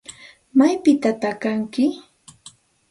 ¿Maypitataq kanki?